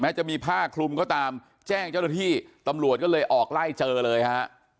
จะมีผ้าคลุมก็ตามแจ้งเจ้าหน้าที่ตำรวจก็เลยออกไล่เจอเลยฮะ